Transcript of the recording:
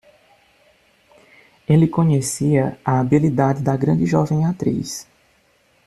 Ele conhecia a habilidade da grande jovem atriz.